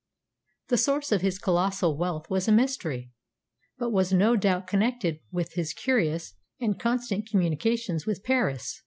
The source of his colossal wealth was a mystery, but was no doubt connected with his curious and constant communications with Paris.